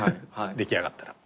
出来上がったら。